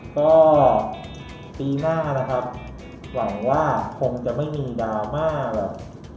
ก็ปีหน้านะครับหวังว่าคงจะไม่มีดราม่าแบบ